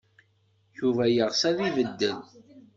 Yuba yeɣs ad ibeddel.